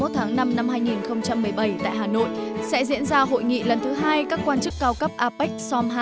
sẽ diễn ra hội nghị lần thứ hai các quan chức cao cấp apec